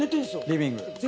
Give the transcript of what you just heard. リビング？